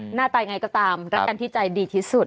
หน้าตาไงก็ตามรักกันที่ใจดีที่สุด